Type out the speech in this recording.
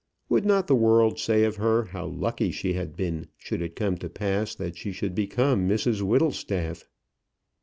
Would not the world say of her how lucky she had been should it come to pass that she should become Mrs Whittlestaff?